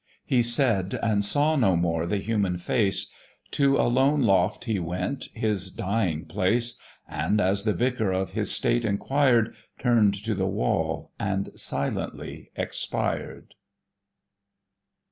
He said, and saw no more the human face; To a lone loft he went, his dying place, And, as the vicar of his state inquired, Turn'd to the wall and silently expired!